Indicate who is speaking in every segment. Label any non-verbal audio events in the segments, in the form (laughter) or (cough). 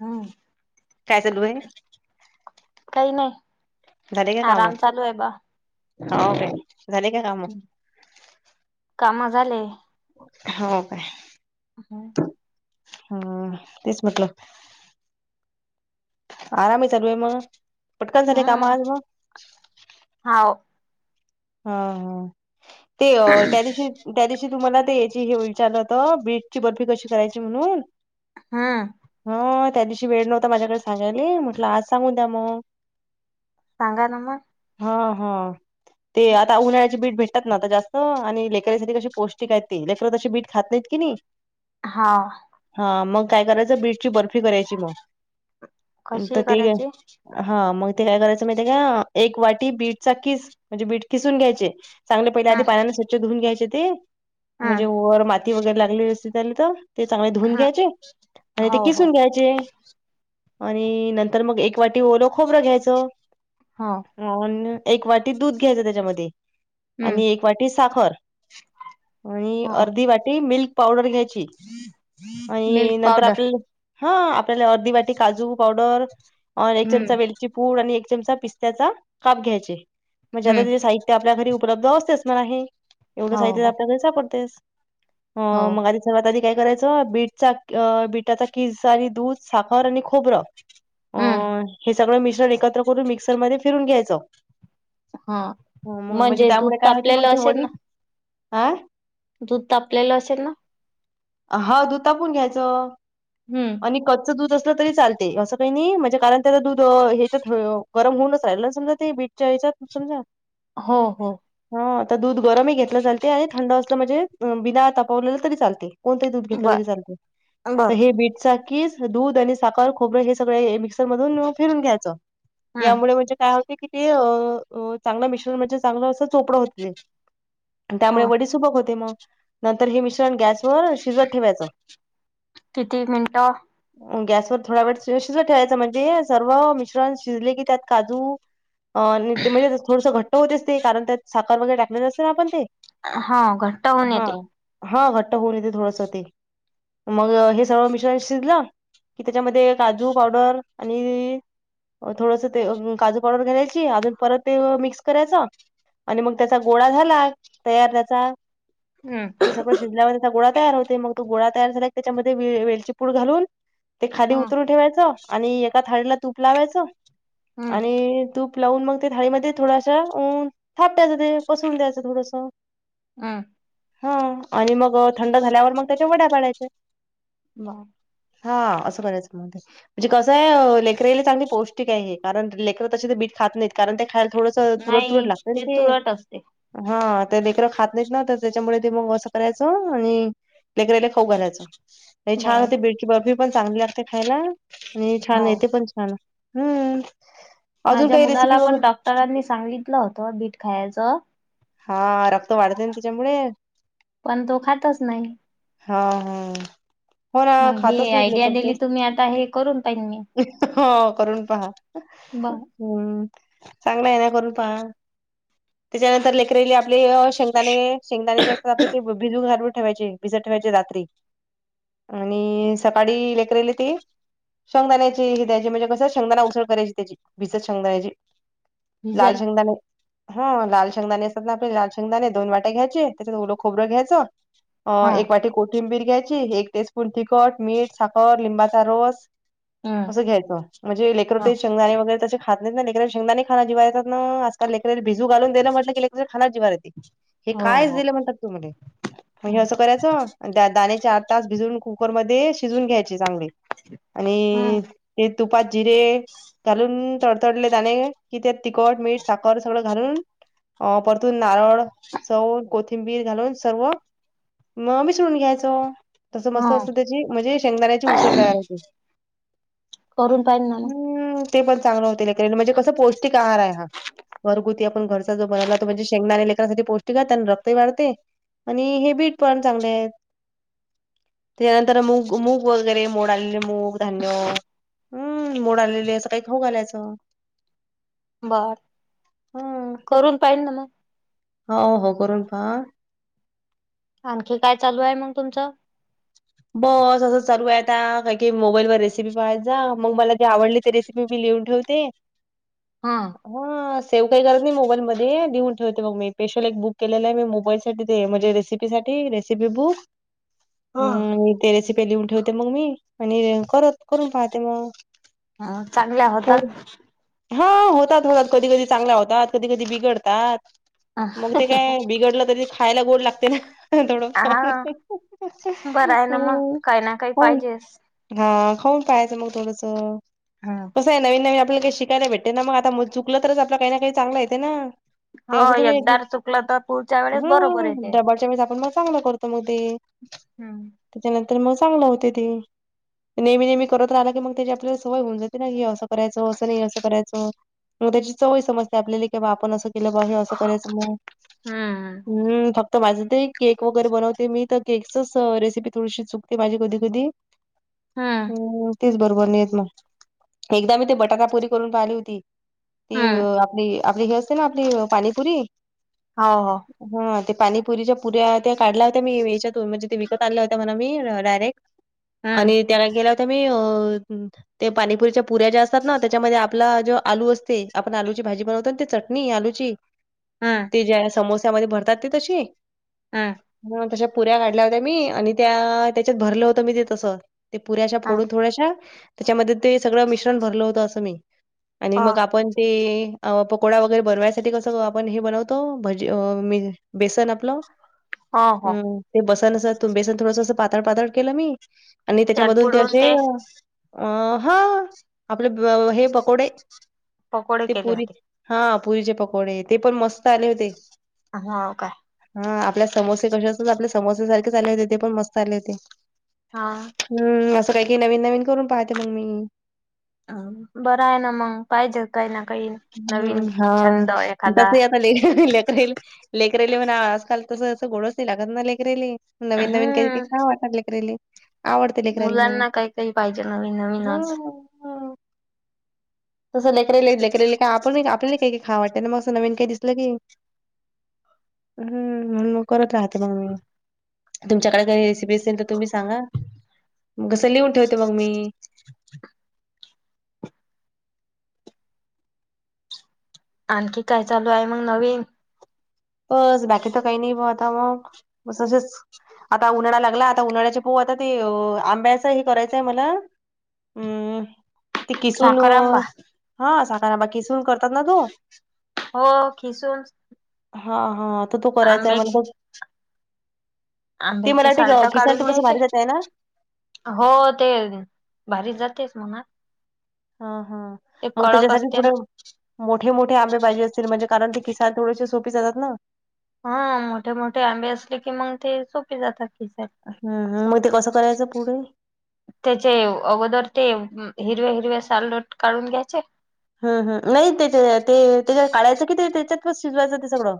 Speaker 1: हं,
Speaker 2: काय चालू आहे
Speaker 1: काही नाही.
Speaker 2: झाले का काम?
Speaker 1: आराम चालू आहे बा
Speaker 2: हो का, झाले का काम?
Speaker 1: कामं झाले.
Speaker 2: हो, काय.
Speaker 1: (unintelligible)
Speaker 2: हां, तेच म्हटलं. आराम ये, चालू ये मं.
Speaker 1: हं, हाव.
Speaker 2: हा हा, ते त्या दिवशी, त्या दिवशी, तुम्हाला ते याची, हे होईल. चारलं होत, बीटची बर्फी कशी करायची? म्हणून,
Speaker 1: हम्म
Speaker 2: हं. त्या दिवशी वेळ नव्हता, माझ्याकडे सांगायले, म्हटलं आज सांगून द्या, म.
Speaker 1: सांगा ना, म.
Speaker 2: हां हां, ते आता उन्हाळ्याचे बिट भेट तात णा, आता जास्त आणि लेकरांसाठी कशी पौष्टिक येत ति, लेकरं तशी बीट खात, नहीत कि नी?
Speaker 1: हां.
Speaker 2: हं, मग काय करायचं, बीटची बर्फी करायची म, त
Speaker 1: कशी
Speaker 2: ते
Speaker 1: करायची
Speaker 2: हं, मग ते काय करायचं, माहिती का, एक वाटी बीट चा किस, म्हणजे बीट किसून घ्यायचे चांगले पहिले आधी
Speaker 1: हम्म
Speaker 2: पाण्याने, स्वच्छ धुऊून घ्यायचे ते,
Speaker 1: हम्म
Speaker 2: म्हणजे वर माती वगैरे, लागली असती त्याले त ते चांगले धुऊून
Speaker 1: हम्म
Speaker 2: घ्यायचे आणि ते
Speaker 1: हो हो
Speaker 2: किसून घ्यायचे. आणि नंतर मग, एक वाटी, ओल खोबरं घ्यायचं.
Speaker 1: हा.
Speaker 2: (unintelligible) ह एक वाटी, दूध घ्यायचं त्याच्यामध्ये
Speaker 1: हम्म
Speaker 2: आणि एक वाटी साखर अणि
Speaker 1: हो
Speaker 2: अर्धी वाटी, मिल्क पावडर घ्यायची, आणि
Speaker 1: मिल्क
Speaker 2: नंतर
Speaker 1: पावडर
Speaker 2: आपल्याल हं, आपल्याला अर्धी वाटी काजू पावडर, ओर एक
Speaker 1: हम्म
Speaker 2: चमचा वेलची पूड आणि एक चमचा, पिस्त्याचा काप घ्यायचे. म्हणजे आता,
Speaker 1: हम्म
Speaker 2: ते साहित्य आपल्या घरी, उपलब्ध असतेस म्हणा हे, एवढं
Speaker 1: हो
Speaker 2: साहित्य तर
Speaker 1: हो
Speaker 2: आपल्या, घरी सापडतेस. हं
Speaker 1: हो
Speaker 2: मग आधी, सर्वात आधी काय करायचं, बीटचा- बीटाचा किस आणि दूध, साखर आणि खोबरं, अ
Speaker 1: हम्म
Speaker 2: हे सगळं मिश्रण एकत्र करून, मिक्सरमध्ये फिरून घ्यायचं.
Speaker 1: हं,
Speaker 2: अं, मग
Speaker 1: म्हणजे दूध तापलेलं, असेल ना?
Speaker 2: आं?
Speaker 1: दूध तापलेलं, असेल ना?
Speaker 2: हा, दुध तापून घ्यायचं.
Speaker 1: हम्म.
Speaker 2: आणि कच्च दूध असलं, तरी चालते, असं काही नई, म्हणजे कारण त्याला दूध, ह्याच्यात गरम होऊनच राहिल ना, समजा ते बीट चयच्यात खुपसून जा.
Speaker 1: हो हो.
Speaker 2: हा आता दूध गरमी घेतलं चालते आणि थंड असलं म्हजे बिना तापवलेलं तरी चालते. कोणतंई दूध घेतलं
Speaker 1: बर
Speaker 2: तरी चालते त
Speaker 1: बर
Speaker 2: हे बीट चा कीस दूध आणि साखर खोबरं हे सगळं ए मिक्स् मधून फिरून घ्यायचं
Speaker 1: हम्म
Speaker 2: यामुळे म्हणजे काय होते क् की ते चांगलं मिश्रण म्हणजे चांगलं अस चोपडं होत ते अन् त्यामुळे
Speaker 1: हो
Speaker 2: वडीच् तुबक होते मग नंतर हे मिश्रण गॅसवर शिजत ठेवायचं
Speaker 1: किती मिनटं?
Speaker 2: अं गॅसवर थोडा वेळ शीज् शिजत ठेवायच म्हणजे सर्व मिश्रण शिजले की त्यात काजू अं ते म्हणजे थोडसं घट्ट होतेच ते कारण त्यात साखर वगैरे टाकलेले असते ना आपण ते.
Speaker 1: हा घट्ट होऊन
Speaker 2: हा.
Speaker 1: येते.
Speaker 2: हा घट्ट होऊन येते थोडंस ते मग हेच सगळं मिश्रण शिजलं कि त्याच्यामध्ये काजू पावडर अणि म थोडस ते अं काजू पावडर घालायची अजून परत ते मिक्स करायचं आणि मग त्याचा गोळा झाला तयार त्याचा
Speaker 1: हम्म
Speaker 2: ते सगळं शिजल्यावर त्याचा गोळा तयार होते मंग तो गोळा तयार झालाय की त्याच्यामध् ते वे वेलची पूड घालून ते खाली
Speaker 1: हम्म
Speaker 2: उतरवु ठेवायचं आणि एका थाळीला तूप लावायचं
Speaker 1: हम्म
Speaker 2: आणि तूप तूप लावून मंग ते थाळीमध्ये थोड्याशा ऊन् थापटायच ते पसरून द्यायचं थोडसं
Speaker 1: अं.
Speaker 2: हां आणि मग थंड झाल्यावर मंग त्याच्या वड्या पाडायच्या.
Speaker 1: (unintelligible)
Speaker 2: हां असं करायचं म ते. म्हणजे कसंय अं लेकरायले चांगली पौष्टिकाय हे कारण लेकर तशी ते बीट खात नईत. कारण ते खायला थोडंस तुरट तुरट
Speaker 1: नाही
Speaker 2: लागतं न ते.
Speaker 1: तुरट असते.
Speaker 2: हां ते लेकरं खात नईत ना त त्याच्यामुळे ते मंग असं करायचं अणि लेकरायले खाऊ घालायचं. नाई छान
Speaker 1: बर.
Speaker 2: होते बीटची बर्फी पण चांगली लागते खायला आणि
Speaker 1: हो
Speaker 2: छान येते पण छान. हं अजून
Speaker 1: माझ्या
Speaker 2: काई रेसिपी
Speaker 1: मुलाला पण
Speaker 2: वगैरे.
Speaker 1: डॉक्टरांनी सांगितलं होतं बीट खायाचं.
Speaker 2: हां रक्त वाढते न तीच्यामुळे.
Speaker 1: पण तो खातच नाई.
Speaker 2: हां हं. हो ना
Speaker 1: मग हे
Speaker 2: खातच नाईत
Speaker 1: आयडिया
Speaker 2: लेकरं
Speaker 1: दिली
Speaker 2: तेच्
Speaker 1: तुम्ही आता हे करून पाहिन मी.
Speaker 2: हं-हं हो करून पहा.
Speaker 1: बर.
Speaker 2: हं चांगलाय ना करून पहा त्याच्यानंतर लेकराईले आप ले शेंगदाणे, शेंगदाणे जे असतात आपले ते भिजू घालून ठेवायचे भिजत ठेवायचे रात्री आणि सकाळी लेकराईले ते. शेंगदाण्याची ही त्याची म्हणजे कसं शेंगदाना उसळ करायची त्याची भिजत शेंगदाण्याची लाल
Speaker 1: भिजल
Speaker 2: शेंगदाणे हां लाल शेंगदाणे अस् ते आपले लाल शेंगदाणे दोन वाट्या घ्यायचे त्याच्यात ओल खोबरं घ्यायचं अं
Speaker 1: हा
Speaker 2: एक वाटी कोथि कोथिंबीर घ्यायची एक टी स्पून तिखट मीठ साखर लिंबाचा रस.
Speaker 1: हम्म
Speaker 2: असं घ्यायचं म्हजे लेकरं
Speaker 1: हा.
Speaker 2: ते शेंगदाणे वगैरे त्याचे खात नाईत ना लेकराले शेंगदाणे खानं जिवावर येतात ना ओ, आजकाल लेकराले भिजू घालून दिलं म्हटलं की ले खायला जीवावर येते, हे
Speaker 1: हो
Speaker 2: कायच
Speaker 1: हो
Speaker 2: दिलं म्हणतात तु मले. अन् हे
Speaker 1: हम्म.
Speaker 2: असं करायचं आणि त्यात दाणे चार तास भिजून कुकरमध्ये शिजून घ्यायचे चांगले. आणि
Speaker 1: हम्म.
Speaker 2: ते तुपात जिरे घालून तडतडले दाणे कि त्यात तिखट, मीठ, साखर सगळं घालून हा परतून नारळ, सौ, कोथिंबीर घालून सर्व (inaudible) मग मिसळून घ्यायच. तसं मस्त
Speaker 1: हा
Speaker 2: असं त्याची म्हणजे शेंगदाण्याची उसळ तयार होते.
Speaker 1: करून पाहिल ना मग.
Speaker 2: हम्म ते पण चांगल होते म्हणजे (unintelligible) कसं पौष्टिक आहार आहे हा घरगुती आपण घ तर जो म्हणाला म्हणजे शेंगदाने लेकसाठी पौष्टिक आहे आणि रक्तही वाढते आणि हे बीट पण चांगले आहे. त्याच्यानंतर मूग, मूग वगैरे मोड आलेले मूग, धान्य हम्म मोड आलेली असं काही खऊ घालायचं.
Speaker 1: बर
Speaker 2: हम्म
Speaker 1: (inaudible) करून पाहिल ना मग.
Speaker 2: हो हो करून पहा.
Speaker 1: आणखी काय चालू आहे मग तुमचं?
Speaker 2: बस असं चालू आहे आता काय की मोबाईल वर रेसिपी पाहायचा मग मला ते आवडली ते रेसिपी मी लिहून ठेवते.
Speaker 1: हा.
Speaker 2: हो. सेव काही करत नाही मोबाईल मध्ये लिहुन ठेवते मग मी स्पेशल एक बुक केलेला आहे मी मोबाईलसाठी ते म्हणजे रेसिपी साठी रेसिपी बुक.
Speaker 1: हा.
Speaker 2: हम्म ते रेसिपीया लिहून ठेवते मग मी आणि करत करून पाहते मग.
Speaker 1: हा चांगल्या
Speaker 2: हो
Speaker 1: होतात.
Speaker 2: हा होतात-होतात कधी-कधी चांगल्या होतात, कधी-कधी बिघडतात. मग ते काय बिघडलं तरी खायला गोड लागते ना थोडं.
Speaker 1: हा
Speaker 2: (inaudible)
Speaker 1: बरं आहे ना मग काही ना काही पाहिजेस.
Speaker 2: हा खाऊन पाहायचं मग थोडंस.
Speaker 1: हा.
Speaker 2: कसं आहे नवीन-नवीन आपल्या जे शिकायला भेटते ना मग आता मु चुकलं तरच आपला काही ना काही चांगला येते ना. ते
Speaker 1: हो
Speaker 2: असं तुम्ही
Speaker 1: एकदार चुकलं तर पुढच्या
Speaker 2: (inaudible)
Speaker 1: वेळेस
Speaker 2: हा
Speaker 1: बरोबर येते.
Speaker 2: डब्बाचा वेळीच आपण मग चांगलं करतो मगं ते.
Speaker 1: हम्म.
Speaker 2: त्याच्यानंतर मग चांगलं होते ते. नेहमी-नेहमी करत राहिला की मग त्याची आपल्याला सवय होऊन जाते ना ही असं करायचं असं नाही असं करायचं. मग त्याची चवही समजते आपल्याला कि बा आपण असं हिला ब हे असं करायचं मग.
Speaker 1: हम्म
Speaker 2: हम फक्त माझं ते केक वगैरे बनवते मी तर केकचच रेसिपी थोडीशी चुकते माझी कधी-कधी.
Speaker 1: हम्म
Speaker 2: तेच बरोबर नाहीेत मग, एकदा मी ते बटाटा पुरी करून पाहिली होती. ती
Speaker 1: हम्म
Speaker 2: आपली आपली हे असते ना आपली पाणीपुरी.
Speaker 1: हा हा.
Speaker 2: हा ते पाणीपुरीच्या पुऱ्या त्या काढल्या होत्या मी याच्यातून म्हणजे ते विकत आल्या होत्या मला मी डायरेक्ट.
Speaker 1: हम्म
Speaker 2: आणि त्याला केल्या होता मी अ ते पाणीपुरीच्या पुऱ्या ज्या असतात ना त्याच्यामध्ये आपला जो आलू असते आपण आलूची भाजी बनवतो न तेच नी आलूची,
Speaker 1: हम्म
Speaker 2: ते ज्या समोस्यामध्ये भरतात ते तशी.
Speaker 1: हा.
Speaker 2: मग तशा पुऱ्या काढल्या होत्या मी आणि त्या त्याच्यात भरलं होतं मी ते तसं. ते पुऱ्या अशा
Speaker 1: ह
Speaker 2: फोडून थोड्याशा. त्याच्यामध्ये ते सगळं मिश्रण भरलं होतं असं मी. आणि
Speaker 1: हो
Speaker 2: मग आपण ते अ पकोडा वगैरे बनवायसाठी कसं आपण हे बनवतो. भजी बेसन आपलं.
Speaker 1: हो हो
Speaker 2: हम्म, ते बसन अस, बेसन थोडस पातळ पातळ केलं मी. आणि
Speaker 1: त्यात
Speaker 2: त्याच्यामधून ते
Speaker 1: बुडवून
Speaker 2: असे अ ह. आपले हे पकोडे.
Speaker 1: पकोडे
Speaker 2: ते
Speaker 1: केले
Speaker 2: पुरी
Speaker 1: होते.
Speaker 2: हा पुरीचे पकोडे. ते पण मस्त आले होते.
Speaker 1: हाव काय?
Speaker 2: हा आपले समोसे कसे असतात. आपल्या समोस सारखेच आले होते. ते पण मस्त आले होते.
Speaker 1: हा.
Speaker 2: हम्म असं काही काही नवीन नवीन करून पाहते मग मी.
Speaker 1: अ बरं आहे ना मंग. पाहिजेत काही ना काही. नवीन
Speaker 2: हम्म हा
Speaker 1: छंद एखादा
Speaker 2: तसंही आता लई लेकरायले लेकरेली म्हणा आजकाल तसं असं गोडच नाही लागत ना लेकरले. नवीन नवीन काहीतरी
Speaker 1: हम्म
Speaker 2: खावा वाटाले लेकराले. आवडते लेकराले मग.
Speaker 1: मुलांना काही काही पाहिजे नवीन
Speaker 2: ह
Speaker 1: नवीनच
Speaker 2: मग ह. तसं लेकरले लेकरली काय, आपण आपल्याला काही काही खावा वाटते ना मग असं नवीन काही दिसलं की. हम्म मग करत राहते. मग मी. तुमच्याकडे काही रेसिपी असेल तर तुम्ही सांगा. मग कस लिहून ठेवते. मग मी.
Speaker 1: आणखी काय चालू आहे मग नवीन?
Speaker 2: बस बाकी त काही नाही बा आता मग. बस असेच. आता उन्हाळा लागला. आता उन्हाळ्याचे पोहु आता ते अ आंब्याच हे करायचंय मला. हम्म ते किसून अओ.
Speaker 1: साखर आंबा
Speaker 2: हा साखर आंबा किसून करतात ना तो.
Speaker 1: हो खिसून.
Speaker 2: हा हा. त तो करायचाय
Speaker 1: आंब्याची
Speaker 2: मलापण. ते
Speaker 1: आंब्याचे
Speaker 2: मलाठी ग
Speaker 1: साल्ट
Speaker 2: किसायला
Speaker 1: काढून
Speaker 2: थोडस
Speaker 1: घ्यायचे
Speaker 2: भारी जातय ना.
Speaker 1: हो ते भारी जातेच म्हणा.
Speaker 2: हा हा
Speaker 1: ते
Speaker 2: मग
Speaker 1: कडक
Speaker 2: त्याच्यासाठी
Speaker 1: असते
Speaker 2: थोडे
Speaker 1: ना
Speaker 2: मोठे मोठे आंबे पाहिजेत असतील. म्हणजे कारण ते किसाय थोडेसे सोपे जातात ना.
Speaker 1: हा मोठे मोठे आंबे असले की मग ते सोपे जातात. किसाय.
Speaker 2: हम्म हम्म मग ते कस करायचं पुढे?
Speaker 1: त्याचे अगोदर ते हिरव्या हिरव्या सालदेट काढून घ्यायचे.
Speaker 2: हम्म हम्म, नाही त्याच्या ते त्याच्या काढायचं कि ते त्याच्यात शिजवायचं ते सगळं?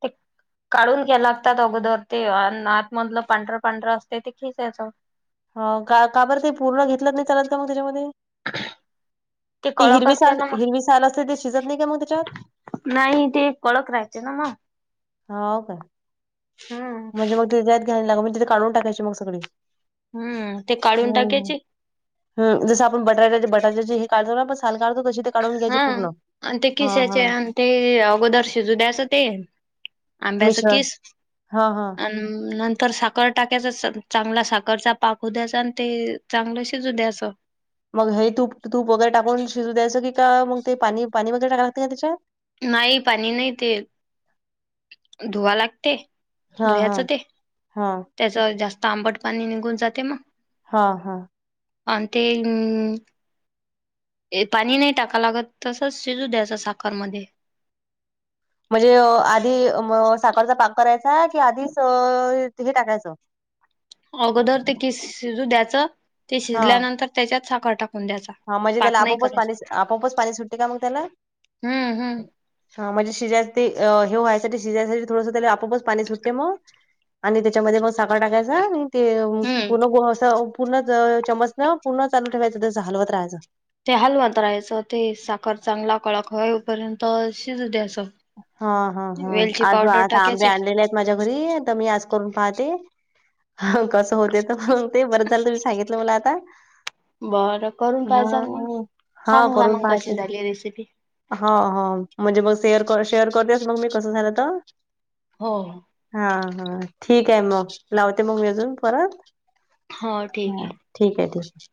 Speaker 1: (unintelligible) काढून घ्या लागतात अगोदर ते. आणि आत मधलं पांढरं पांढरं असते ते खिसायचं.
Speaker 2: हो का? काबर ते पूर्ण घेतलं त नाही चालात का मग त्याच्यामध्ये?
Speaker 1: ते
Speaker 2: ती
Speaker 1: कडक
Speaker 2: हिरवी
Speaker 1: असते
Speaker 2: साल
Speaker 1: ना मग
Speaker 2: हिरवी साल असते. ते शिजत नाही का म त्याच्यात?
Speaker 1: नाही ते कडक राहिते ना म.
Speaker 2: हाव काय?
Speaker 1: हम्म
Speaker 2: म्हणजे मग (unintelligible) म्हणजे काढून टाकायची मग सगळी.
Speaker 1: हम्म, ते काढून टाकायचे.
Speaker 2: हम्म, जस आपण बटाट्याचे बटाट्याचे हे काढतो आपण. साल काढतोन. तशी ते काढून
Speaker 1: ह,
Speaker 2: घ्यायची पूर्ण.
Speaker 1: अन ते
Speaker 2: हां
Speaker 1: किसायचे
Speaker 2: हां.
Speaker 1: अन ते अगोदर शिजू द्याचं ते. आंब्याच
Speaker 2: मिश्रण
Speaker 1: कीस.
Speaker 2: हां हां.
Speaker 1: आन नंतर साखर टाकायच. चांगला साखरचा पाक हू द्यायच. अन ते चांगलं शिजू द्यायचं.
Speaker 2: मग हे तूप तूप वगैरे टाकून शिजू द्यायचं. की का मग ते पाणी पाणी वगैरे लागते का त्याच्यात?
Speaker 1: नाही पाणी नाही ते धुवा लागते.
Speaker 2: हां
Speaker 1: धुयाचं
Speaker 2: हां
Speaker 1: ते
Speaker 2: हां
Speaker 1: त्याच जास्त आंबट पाणी निघून जाते मग.
Speaker 2: हा हा.
Speaker 1: अन ते ए पाणी नाही टाकाव लागत तसंच शिजू द्यायचं साखर मध्ये
Speaker 2: म्हणजे अ आधी म साखरचा पाक करायचा की आधीच हे टाकायचं?
Speaker 1: अगोदर ते किस शिजू द्यायचं ते शिजल्यानंतर त्याच्यात साखर टाकून द्यायचा.
Speaker 2: हा म्हणजे त्याला
Speaker 1: पाक नाही
Speaker 2: आपोपच पाणी
Speaker 1: करायचा
Speaker 2: आपोपच पाणी सुटते का मग त्याला?
Speaker 1: हम्म हम्म
Speaker 2: हा म्हणजे शिजाय ते हे व्हायसाठी शिजायसाठी थोडस त्याला आपापच पाणी सुटते मग. आणि त्याच्यामध्ये मग साखर टाकायचा ते
Speaker 1: हम्म
Speaker 2: पूर्ण गं अस पूर्ण च-चमच न पूर्ण चालू ठेवायचं तस हलवत राहायचं.
Speaker 1: ते हालवत राहायचं ते साखर चांगला कडक येपर्यंत शिजू द्यायच.
Speaker 2: हा हा हा आज आता आंबे
Speaker 1: टाकायचे
Speaker 2: आणलेले आहेत माझ्या घरी तर मी आज करुन पाहते, कस होते ते बरंच झालं तुम्ही सांगितलं मला आता.
Speaker 1: बरं करून पाहिसाल मग
Speaker 2: हा.
Speaker 1: सांगाल मग कशी झाली रेसिपी.
Speaker 2: हो हो म्हणजे मग शेअर शेअर करतेस मग मी कसं झालं तर
Speaker 1: हो हो.
Speaker 2: हा हा ठीक आहे मग लावते मग मीअजून परत.
Speaker 1: हो ठीक
Speaker 2: हा
Speaker 1: आहे.
Speaker 2: ठीक आहे ठीक आहे.